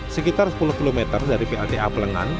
sekitar sepuluh km dari plta plengan